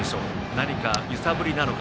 何か揺さぶりなのか。